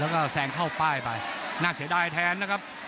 แล้วก็แซงเข้าป้ายไปน่าเสียดายแทนนะครับ